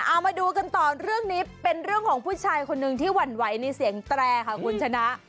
เอามาดูกันต่อเรื่องนี้เป็นเรื่องของผู้ชายคนหนึ่งที่หวั่นไหวในเสียงแตรค่ะคุณชนะ